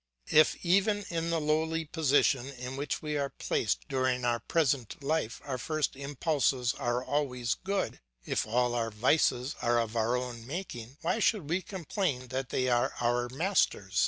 If even in the lowly position in which we are placed during our present life our first impulses are always good, if all our vices are of our own making, why should we complain that they are our masters?